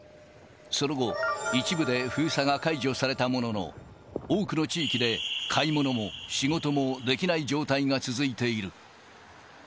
その後、一部で封鎖が解除されたものの、多くの地域で、買い物も仕事もできない状態が続いている。